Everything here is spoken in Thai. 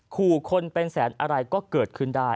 ขู่คนเป็นแสนอะไรก็เกิดขึ้นได้